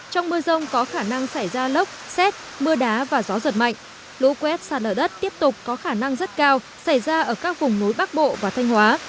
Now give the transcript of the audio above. trong mưa rông có khả năng xảy ra lốc xét mưa đá và gió giật mạnh lũ quét xa lở đất tiếp tục có khả năng rất cao xảy ra ở các vùng núi bắc bộ và thanh hóa